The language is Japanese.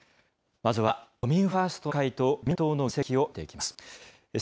まずは都民ファーストの会と自民党の議席を見ていきます。